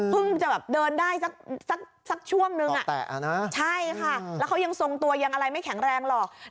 พึ่งจะเดินได้ซักช่วงนึงต่อแตะนะใช่ค่ะเขายังทรงตัวยังอะไรไม่แข็งแรงหมดหรอก